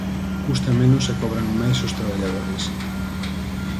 Custa menos e cobran máis os traballadores.